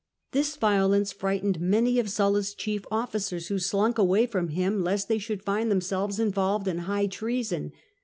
This violence frightened many of Sulla's chief officers, who slunk away from him lest they should find themselves involved in high treason.